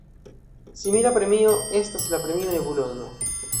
Simila premio estas la Premio Nebulozo.